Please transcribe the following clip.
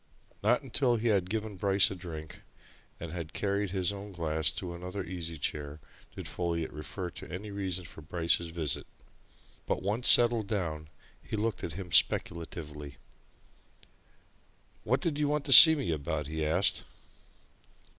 Not until he had given Bryce a drink, and had carried his own glass to another easy chair did Folliot refer to any reason for Bryce's visit. But once settled down, he looked at him speculatively. "What did you want to see me about?" he asked.